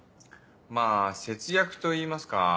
まぁ節約といいますか。